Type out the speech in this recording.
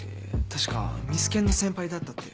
確かミス研の先輩だったって。